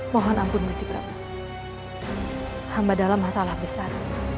mohon ampun musti pratma hamba dalam masalah besar